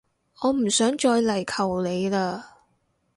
我唔想再嚟求你喇